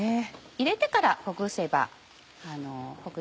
入れてからほぐせばほぐれます。